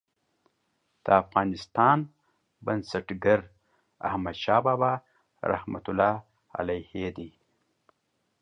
د افغانستان بنسټګر احمدشاه بابا رحمة الله علیه دی.